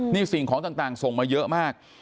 นี่สิ่งของต่างส่งมาเยอะมาก